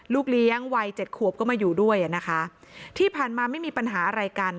เลี้ยงวัยเจ็ดขวบก็มาอยู่ด้วยอ่ะนะคะที่ผ่านมาไม่มีปัญหาอะไรกัน